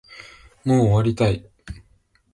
もう終わりたい